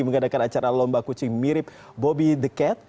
mengadakan acara lomba kucing mirip bobby the cat